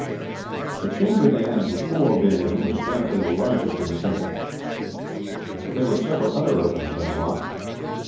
The chamber they had before been in was apparently the largest in the temple, but there were several other openings in the rock.